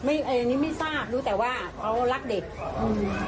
ไม่มีค่ะไม่สร้างรู้แต่ว่าเขาลักเด็ก